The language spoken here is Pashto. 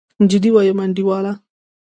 جدي وايم انډيواله.